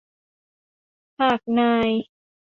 หากนาย